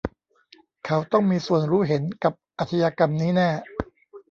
เขาต้องมีส่วนรู้เห็นกับอาชญากรรมนี้แน่